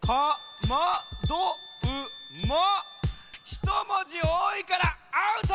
ひと文字おおいからアウト！